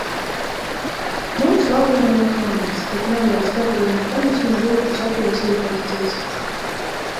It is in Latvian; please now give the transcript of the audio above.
Mums labuma no tā maz, tik neliels gabaliņš gaļas no vilku saplosītās ciskas.